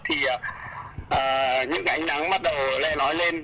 thì những cái ánh nắng bắt đầu le lói lên